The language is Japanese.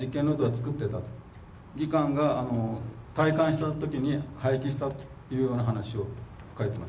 技官が退官した時に廃棄したというような話を書いてます。